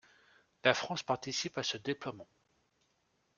La France participe à ce déploiement.